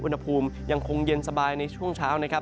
อุณหภูมิยังคงเย็นสบายในช่วงเช้านะครับ